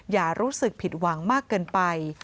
อย่ารู้สึกผิดหวังมากเกินไป